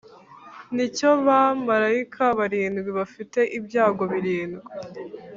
ni cyo bamarayika barindwi bafite ibyago birindwi,